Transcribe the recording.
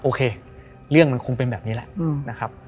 โอเคเรื่องมันคงเป็นแบบนี้แหละนะครับ